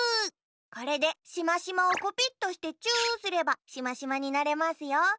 これでしましまをコピットしてチューすればしましまになれますよ。